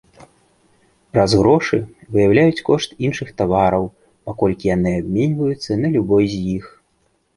Праз грошы выяўляюць кошт іншых тавараў, паколькі яны абменьваюцца на любой з іх.